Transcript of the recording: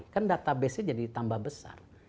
kan database nya jadi tambah besar